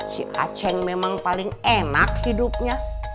si aceh memang paling enak hidupnya